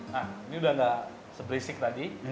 nah ini udah gak seberisik tadi